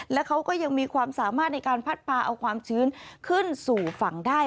และเขาก็ยังมีความสามารถในการพัดพาเอาความชื้นขึ้นสู่ฝั่งได้